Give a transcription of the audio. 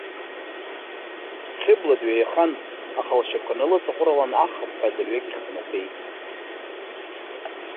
Хьыбла дҩеихан, аха лшьапқәа налыҵаҟәрылан ахыԥҳәа адырҩагьых днатәеит.